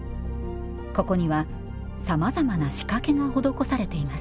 ここにはさまざまな仕掛けが施されています